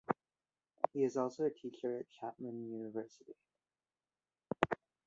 He also is a teacher at Chapman University.